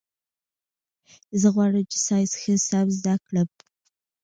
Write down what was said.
زه غواړم چي ساینس ښه سم زده کړم.